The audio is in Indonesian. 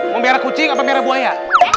mau beri arah kucing atau beri arah buaya